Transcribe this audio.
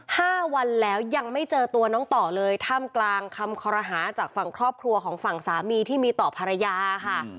ห้าวันแล้วยังไม่เจอตัวน้องต่อเลยท่ามกลางคำคอรหาจากฝั่งครอบครัวของฝั่งสามีที่มีต่อภรรยาค่ะ